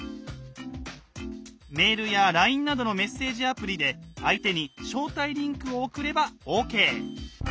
メールやＬＩＮＥなどのメッセージアプリで相手に「招待リンク」を送ればＯＫ！